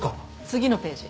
次のページ。